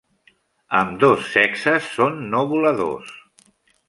Ambdós sexes són no voladors.